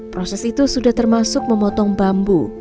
proses itu sudah termasuk memotong bambu